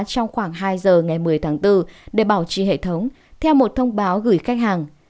trong khoảng hai giờ ngày một mươi tháng bốn để bảo trì hệ thống theo một thông báo gửi khách hàng